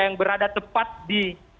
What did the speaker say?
yang berada tepat di